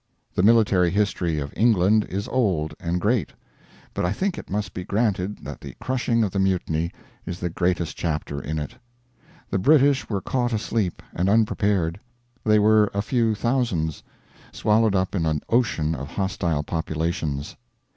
The military history of England is old and great, but I think it must be granted that the crushing of the Mutiny is the greatest chapter in it. The British were caught asleep and unprepared. They were a few thousands, swallowed up in an ocean of hostile populations.